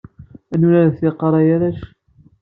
Ad nuraret tiqqar ay arrac?